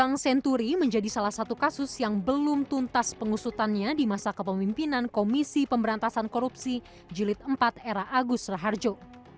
kepala pemimpinan komisi pemberantasan korupsi jelit empat era agus raharjo